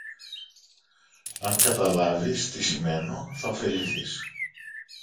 Αν καταλάβεις τι σημαίνω, θα ωφεληθείς